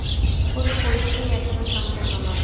কোন পরীক্ষাই এখনও সম্পূর্ণ নয়।